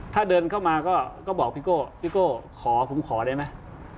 ถ้าเดินเข้ามาก็บอกพี่โก้พี่โก้ขอผมขอได้ไหม